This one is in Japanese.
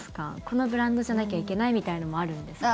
このブランドじゃなきゃいけないみたいなのもあるんですか？